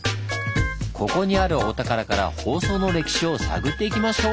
ここにあるお宝から放送の歴史を探っていきましょう！